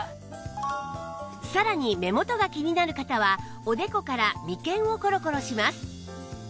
さらに目元が気になる方はおでこから眉間をコロコロします